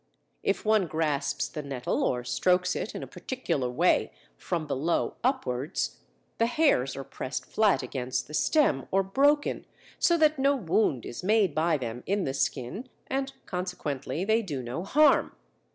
If one grasps the nettle or strokes it in a particular way (from below upwards) the hairs are pressed flat against the stem or broken, so that no wound is made by them in the skin and consequently they do no harm.